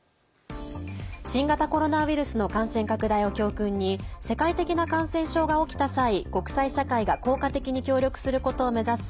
新型コロナウイルスの感染拡大を教訓に世界的な感染症が起きた際国際社会が効果的に協力することを目指す